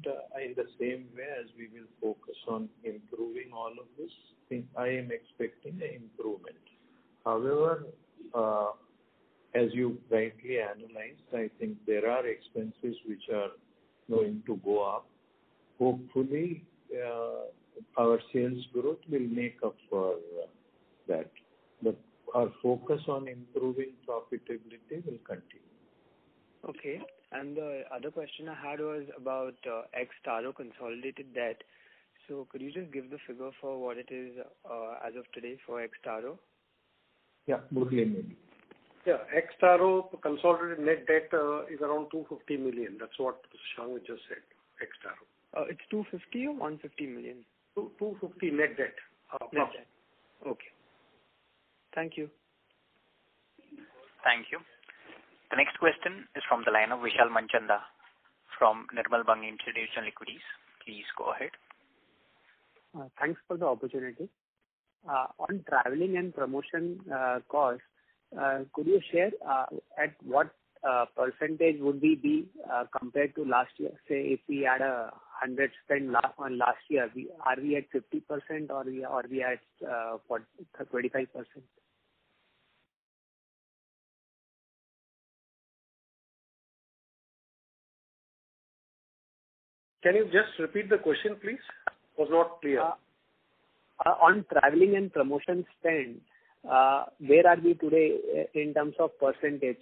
the same way as we will focus on improving all of this, I am expecting a improvement. As you rightly analyzed, I think there are expenses which are going to go up. Hopefully, our sales growth will make up for that, but our focus on improving profitability will continue. Okay. The other question I had was about ex-Taro consolidated debt. Could you just give the figure for what it is as of today for ex-Taro? Yeah. Yeah. ex-Taro consolidated net debt is around $250 million. That's what Shanghvi just said. ex-Taro. It's $250 million or $150 million? $250 million net debt. Net debt. Okay. Thank you. Thank you. The next question is from the line of Vishal Manchanda from Nirmal Bang Institutional Equities. Please go ahead. Thanks for the opportunity. On traveling and promotion cost, could you share at what percentage would we be compared to last year? Say, if we had 100% spend on last year, are we at 50% or are we at 25%? Can you just repeat the question, please? It was not clear. On traveling and promotion spend, where are we today in terms of percentage?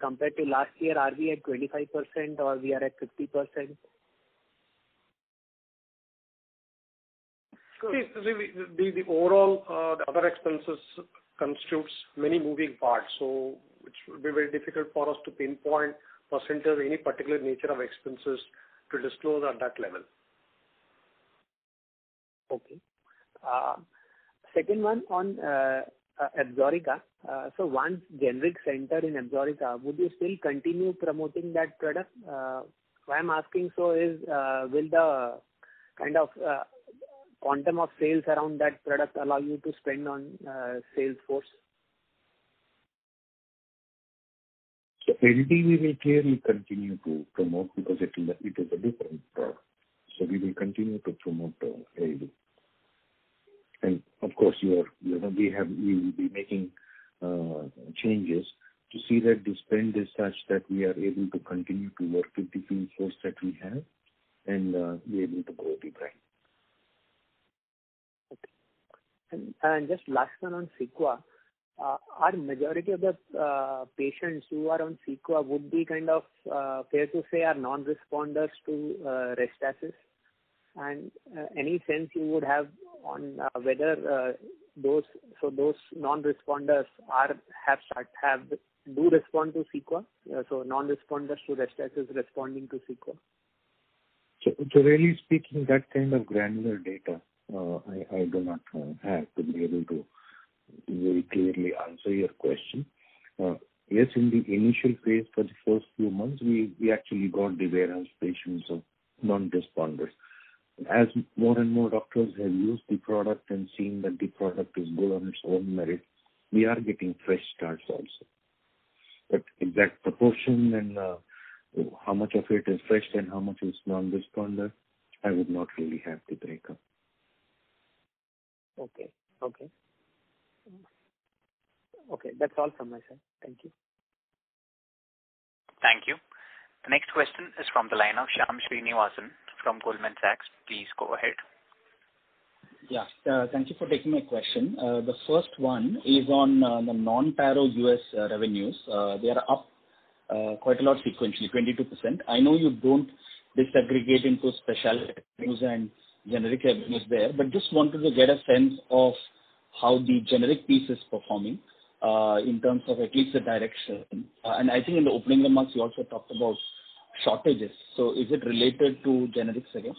Compared to last year, are we at 25% or we are at 50%? The overall other expenses constitutes many moving parts. It would be very difficult for us to pinpoint percentage of any particular nature of expenses to disclose at that level. Okay. Second one on ABSORICA. Once generics enter in ABSORICA, would you still continue promoting that product? Why I'm asking so is, will the kind of quantum of sales around that product allow you to spend on sales force? LD we will clearly continue to promote because it is a different product. We will continue to promote LD. Of course, we will be making changes to see that the spend is such that we are able to continue to work with the sales force that we have and be able to grow the brand. Okay. Just last one on CEQUA. Are majority of the patients who are on CEQUA would be kind of fair to say are non-responders to RESTASIS? Any sense you would have on whether for those non-responders do respond to CEQUA? Non-responders to RESTASIS responding to CEQUA. Really speaking, that kind of granular data, I do not have to be able to very clearly answer your question. Yes, in the initial phase for the first few months, we actually got the warehouse patients of non-responders. As more and more doctors have used the product and seen that the product is good on its own merit, we are getting fresh starts also. Exact proportion and how much of it is fresh and how much is non-responder, I would not really have the breakup. Okay. That's all from my side. Thank you. Thank you. The next question is from the line of Shyam Srinivasan from Goldman Sachs. Please go ahead. Yeah. Thank you for taking my question. The first one is on the non-Taro U.S. revenues. They are up quite a lot sequentially, 22%. I know you don't disaggregate into specialty and generic revenues there, but just wanted to get a sense of how the generic piece is performing in terms of at least the direction. I think in the opening remarks, you also talked about shortages. Is it related to generics again?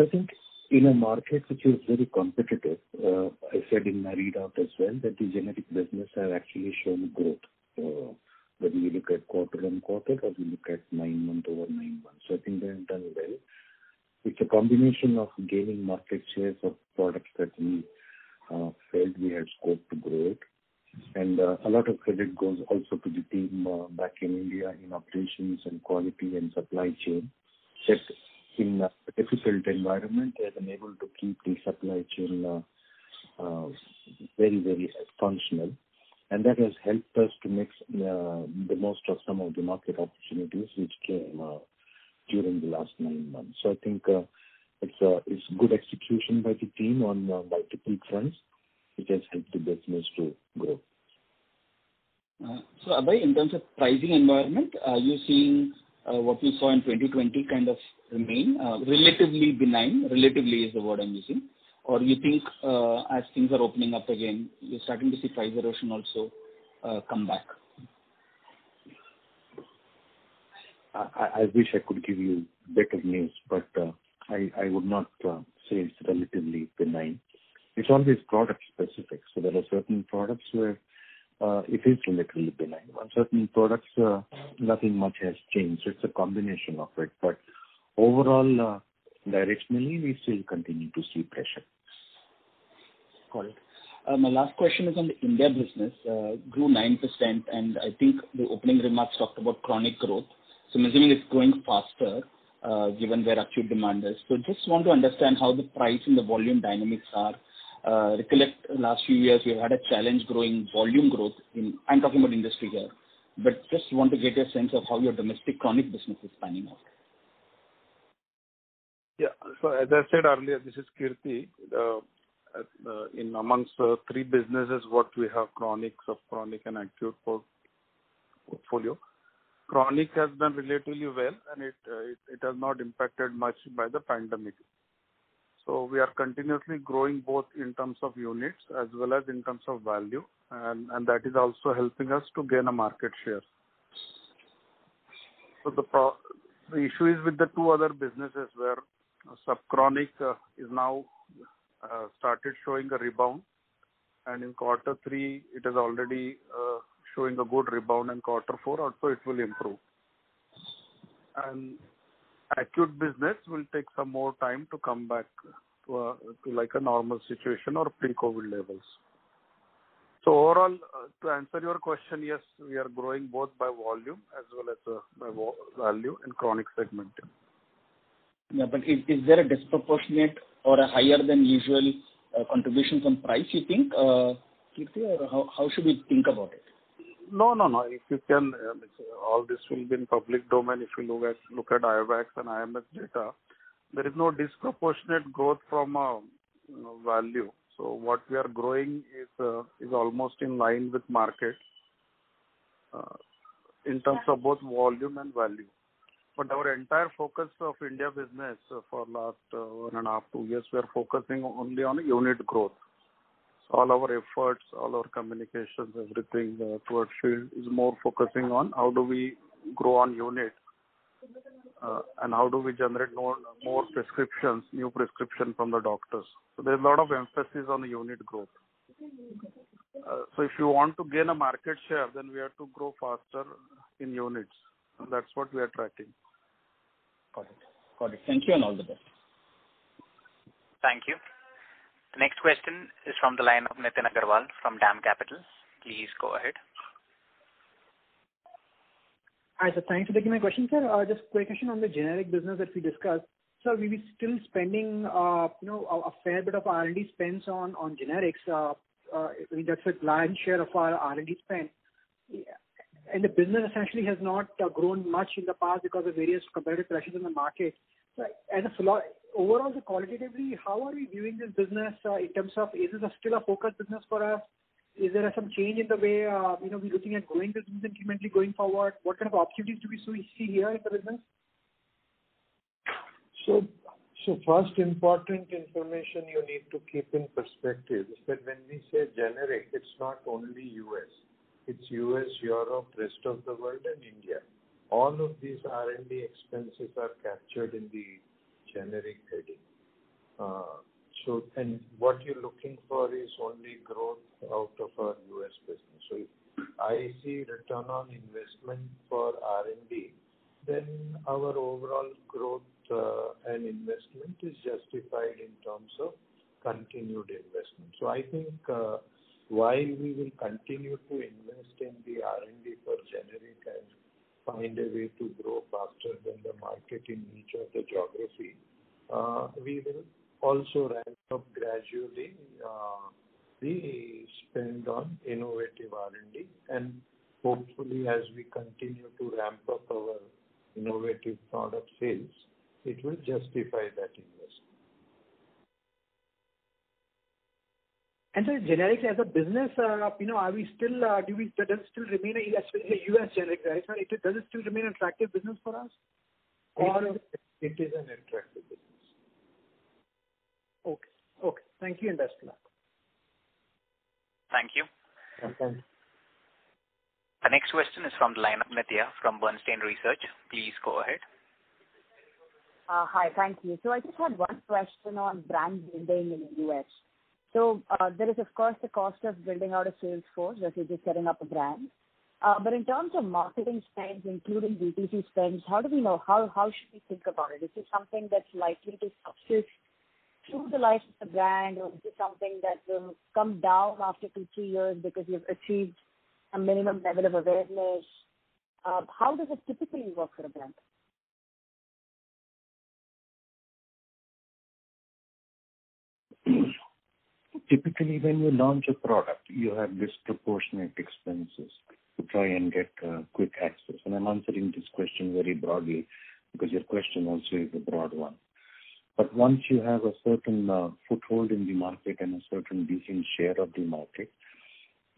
I think in a market which is very competitive, I said in my readout as well that the generic business have actually shown growth, whether you look at quarter-on-quarter or you look at nine-month over nine months. I think they have done well. It's a combination of gaining market shares of products that we felt we had scope to grow it. A lot of credit goes also to the team back in India in operations and quality and supply chain. In a difficult environment, they have been able to keep the supply chain very functional, and that has helped us to make the most of some of the market opportunities which came during the last nine months. I think it's good execution by the team on multiple fronts, which has helped the business to grow. Abhay, in terms of pricing environment, are you seeing what we saw in 2020 kind of remain relatively benign? Relatively is the word I'm using. You think as things are opening up again, you're starting to see price erosion also come back? I wish I could give you better news, but I would not say it's relatively benign. It's always product specific. There are certain products where it is relatively benign. On certain products, nothing much has changed. It's a combination of it. Overall, directionally, we still continue to see pressure. Got it. My last question is on the India business. Grew 9%, and I think the opening remarks talked about chronic growth. I'm assuming it's growing faster given where acute demand is. Just want to understand how the price and the volume dynamics are. Recollect last few years, we had a challenge growing volume growth. I'm talking about industry here. Just want to get a sense of how your domestic chronic business is panning out. As I said earlier, this is Kirti. Amongst three businesses, what we have chronic, subchronic, and acute portfolio. Chronic has done relatively well, and it has not impacted much by the pandemic. We are continuously growing both in terms of units as well as in terms of value. That is also helping us to gain a market share. The issue is with the two other businesses where subchronic is now started showing a rebound, and in quarter three it is already showing a good rebound. In quarter four also it will improve. Acute business will take some more time to come back to a normal situation or pre-COVID levels. Overall, to answer your question, yes, we are growing both by volume as well as by value in chronic segment. Yeah, but is there a disproportionate or a higher than usual contribution from price you think, Kirti, or how should we think about it? No. All this will be in public domain. If you look at AWACS and IMS data, there is no disproportionate growth from a value. What we are growing is almost in line with market in terms of both volume and value. Our entire focus of India business for last one and a half, two years, we are focusing only on unit growth. All our efforts, all our communications, everything towards field is more focusing on how do we grow on units, and how do we generate more prescriptions, new prescription from the doctors. There's a lot of emphasis on unit growth. If you want to gain a market share, then we have to grow faster in units. That's what we are tracking. Got it. Thank you, and all the best. Thank you. Next question is from the line of Nitin Agarwal from DAM Capital. Please go ahead. Hi, sir. Thank you for taking my question, sir. Just quick question on the generic business that we discussed. Sir, we've been still spending a fair bit of R&D spends on generics. That's a lion's share of our R&D spend. The business essentially has not grown much in the past because of various competitive pressures in the market. As a flow, overall, qualitatively, how are we viewing this business in terms of is this still a focused business for us? Is there some change in the way we're looking at growing this business incrementally going forward? What kind of opportunities do we see here in the business? First important information you need to keep in perspective is that when we say generic, it's not only U.S. It's U.S., Europe, rest of the world and India. All of these R&D expenses are captured in the generic heading. What you're looking for is only growth out of our U.S. business. If I see return on investment for R&D, our overall growth and investment is justified in terms of continued investment. I think while we will continue to invest in the R&D for generic and find a way to grow faster than the market in each of the geography, we will also ramp up gradually the spend on innovative R&D, and hopefully, as we continue to ramp up our innovative product sales, it will justify that investment. Sir, generic as a business, does it still remain a U.S. generic, right sir? Does it still remain attractive business for us? It is an attractive business. Okay. Thank you, and best of luck. Thank you. Welcome. The next question is from the line of Nithya from Bernstein Research. Please go ahead. Hi, thank you. I just had one question on brand building in the U.S. There is of course the cost of building out a sales force versus just setting up a brand. In terms of marketing spends, including B2C spends, how should we think about it? Is this something that's likely to sustain through the life of the brand, or is this something that will come down after two, three years because you've achieved a minimum level of awareness? How does it typically work for a brand? Typically, when you launch a product, you have disproportionate expenses to try and get quick access. I'm answering this question very broadly, because your question also is a broad one. Once you have a certain foothold in the market and a certain decent share of the market,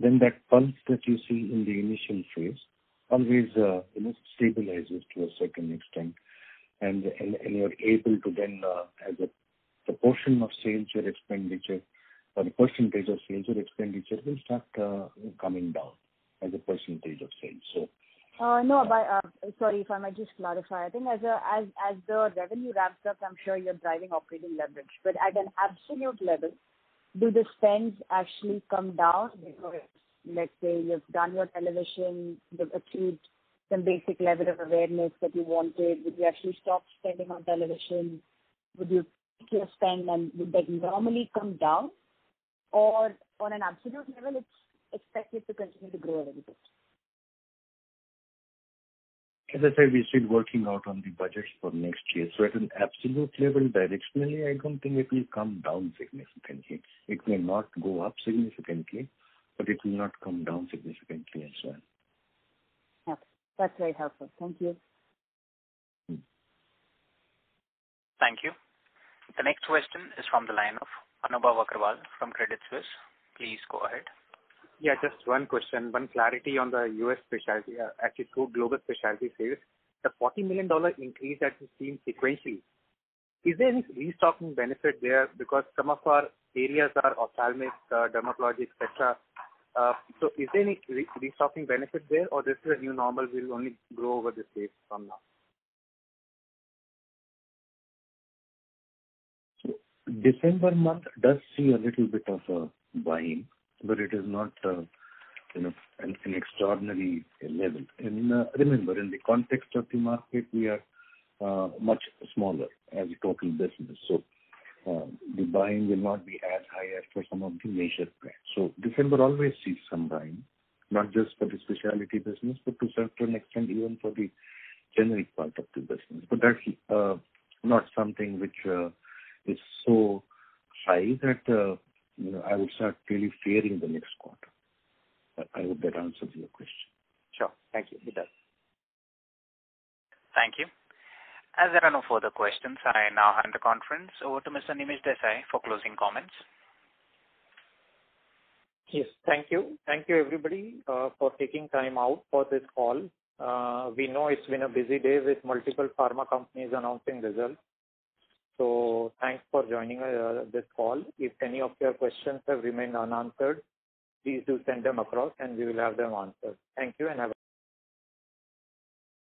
then that pulse that you see in the initial phase always stabilizes to a certain extent, and you're able to then, as a proportion of sales or expenditure, or the percentage of sales or expenditure will start coming down as a percentage of sales. No. Sorry, if I might just clarify. I think as the revenue ramps up, I'm sure you're driving operating leverage. At an absolute level, do the spends actually come down because, let's say, you've done your television, you've achieved some basic level of awareness that you wanted. Would you actually stop spending on television? Would your spend then normally come down? On an absolute level, it's expected to continue to grow a little bit. As I said, we're still working out on the budgets for next year. At an absolute level, directionally, I don't think it will come down significantly. It may not go up significantly, but it will not come down significantly as well. That's very helpful. Thank you. Thank you. The next question is from the line of Anubhav Aggarwal from Credit Suisse. Please go ahead. Just one question. One clarity on the U.S. specialty, actually two global specialty sales. The $40 million increase that we've seen sequentially, is there any restocking benefit there? Because some of our areas are ophthalmic, dermatology, et cetera. Is there any restocking benefit there, or this is a new normal, we'll only grow over the sales from now? December month does see a little bit of a buying, but it is not an extraordinary level. Remember, in the context of the market, we are much smaller as a total business. The buying will not be as high as for some of the major brands. December always sees some buying, not just for the specialty business, but to a certain extent, even for the generic part of the business. That's not something which is so high that I would start really fearing the next quarter. I hope that answers your question. Sure. Thank you. It does. Thank you. As there are no further questions, I now hand the conference over to Mr. Nimish Desai for closing comments. Yes. Thank you. Thank you everybody for taking time out for this call. We know it's been a busy day with multiple pharma companies announcing results. Thanks for joining this call. If any of your questions have remained unanswered, please do send them across and we will have them answered. Thank you.